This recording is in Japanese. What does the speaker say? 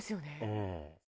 うん。